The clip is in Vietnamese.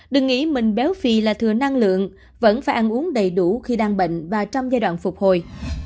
đừng nghĩ mình béo phì là thừa năng lượng vẫn phải ăn uống đầy đủ khi đang bệnh và trong giai đoạn phục hồi